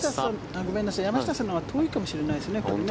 山下さんのほうが遠いかもしれないですね。